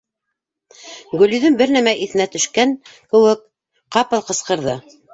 Гөлйөҙөм, бер нәмә иҫенә төшкән кеүек, ҡапыл ҡысҡырҙы: